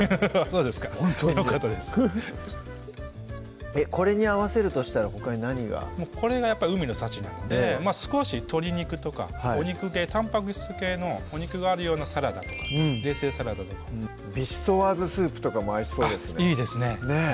そうですかほんとにこれに合わせるとしたらほかに何がこれがやっぱり海の幸なので少し鶏肉とかお肉系たんぱく質系のお肉があるようなサラダとか冷製サラダとかヴィシソワーズスープとかも合いそうですねいいですねねぇ